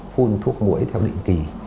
phun thuốc mũi theo định kỳ